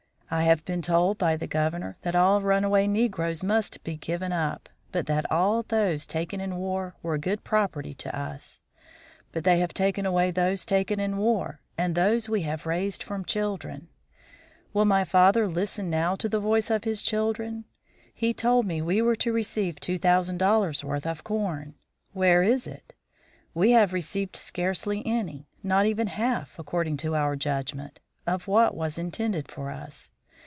I have been told by the Governor that all runaway negroes must be given up, but that all those taken in war, were good property to us; but they have taken away those taken in war, and those we have raised from children. "Will my father listen now to the voice of his children? He told me we were to receive two thousand dollars' worth of corn where is it? We have received scarcely any, not even half, according to our judgment, of what was intended for us.